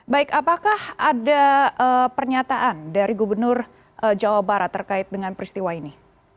baik apakah ada pernyataan dari gubernur jawa barat terkait dengan peristiwa ini